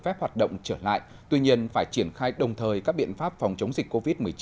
phép hoạt động trở lại tuy nhiên phải triển khai đồng thời các biện pháp phòng chống dịch covid một mươi chín